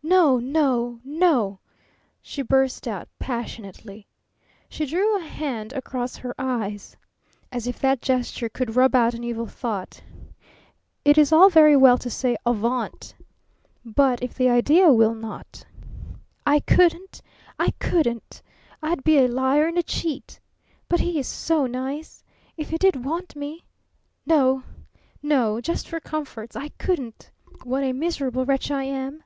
"No, no, no!" she burst out, passionately. She drew a hand across her eyes. As if that gesture could rub out an evil thought! It is all very well to say "Avaunt!" But if the idea will not? "I couldn't, I couldn't! I'd be a liar and a cheat. But he is so nice! If he did want me!... No, no! Just for comforts! I couldn't! What a miserable wretch I am!"